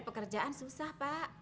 pekerjaan susah pak